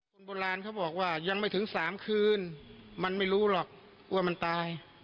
คนโบราณเขาบอกว่ายังไม่ถึง๓คืนมันไม่รู้หรอกกลัวมันตาย